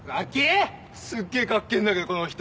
すっげえかっけぇんだけどこの人。